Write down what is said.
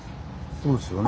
そうですよね。